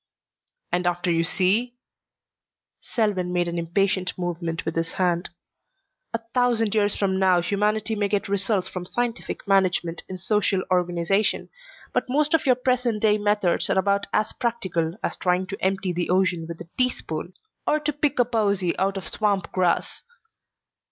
"And after you see?" Selwyn made an impatient movement with his hand. "A thousand years from now humanity may get results from scientific management in social organization, but most of your present day methods are about as practical as trying to empty the ocean with a teaspoon or to pick a posy out of swamp grass."